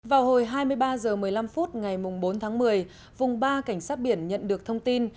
vào hồi hai mươi ba h một mươi năm phút ngày bốn tháng một mươi vùng ba cảnh sát biển nhận được thông tin